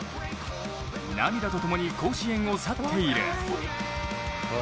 涙と共に甲子園を去っている。